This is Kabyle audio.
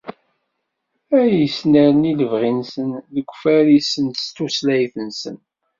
Ad yesnerni lebɣi-nsen deg ufaris s tutlayt-nsen.